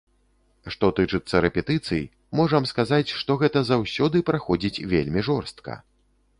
Што тычыцца рэпетыцый, можам сказаць, што гэта заўсёды праходзіць вельмі жорстка.